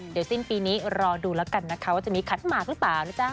เดี๋ยวสิ้นปีนี้รอดูแล้วกันนะคะว่าจะมีขันหมากหรือเปล่านะจ๊ะ